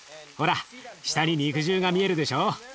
ほら下に肉汁が見えるでしょ。